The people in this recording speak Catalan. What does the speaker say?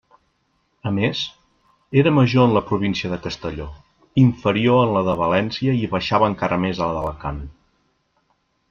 A més, era major en la província de Castelló, inferior en la de València i baixava encara més a la d'Alacant.